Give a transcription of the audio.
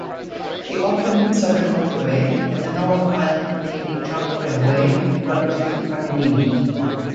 The Auckland Southern Motorway and the North Island Main Trunk Railway run through Takanini.